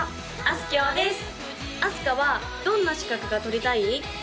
あすかはどんな資格が取りたい？